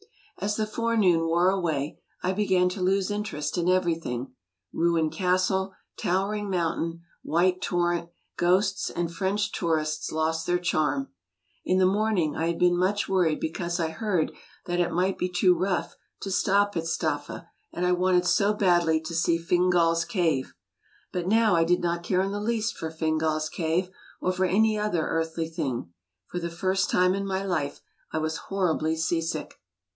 As the forenoon wore away I began to lose interest in everything. Ruined casde, towering mountain, white tor rent, ghosts, and French tourists lost their charm. In the morning I had been much worried because I heard that it might be too rough to stop at Staffa, and I wanted so badly to see Fingat's Cave. But now I did not care in the least for Fingal's Cave, or for any other earthly thing. For the first time in my life I was horribly seasick.